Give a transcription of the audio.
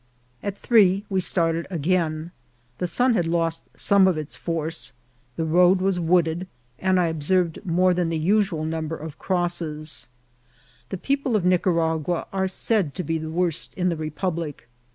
At three we started again. The sun had lost some of its force, the road was wooded, and I observed more A SPORTING CHARACTER. 19 than the usual number of crosses. The people of Nic aragua are said to be the worst in the republic.